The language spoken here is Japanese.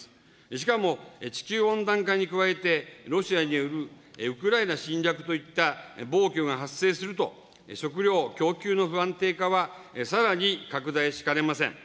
しかも、地球温暖化に加えて、ロシアによるウクライナ侵略といった暴挙が発生すると、食料供給の不安定化は、さらに拡大しかねません。